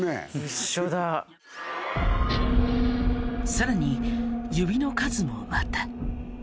さらに指の数もまた。